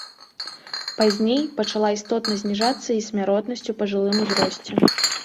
Пазней пачала істотна зніжацца і смяротнасць у пажылым узросце.